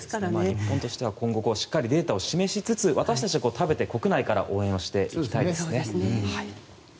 日本としては今後しっかりデータを示しつつ私たちは食べて、国内から応援していきたいですね。